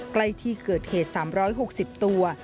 ใกล้ที่เกิดเหตุ๓๖๐ตัว